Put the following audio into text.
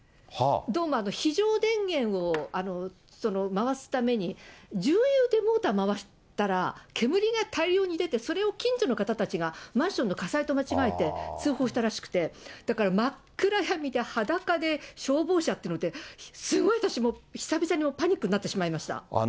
どうも、非常電源を回すために、重油でモーター回したら、煙が大量に出て、それを近所の方たちが、マンションの火災と間違えて、通報したらしくて、だから真っ暗闇で裸で、消防車来るで、すごい私、久々にパニックになってしまいました。